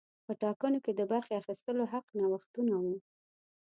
په ټاکنو کې د برخې اخیستو حق نوښتونه وو.